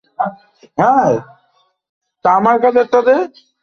সেখানে সন্ধ্যা ছয়টার দিকে চোর সন্দেহে ভারতীয়রা তাঁদের ধরে পিটুনি দেয়।